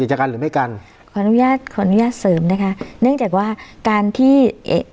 จากการหรือไม่กันขออนุญาตขออนุญาตเสริมนะคะเนื่องจากว่าการที่เอก